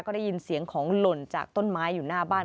ก็ได้ยินเสียงของหล่นจากต้นไม้อยู่หน้าบ้าน